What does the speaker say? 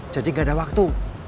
jadi gak ada waktu